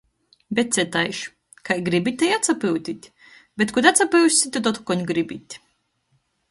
Bet cytaiž - kai gribit, tai atsapyutit. Bet kod atsapyussit, tod otkon gribit!!!